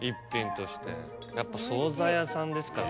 やっぱ惣菜屋さんですから。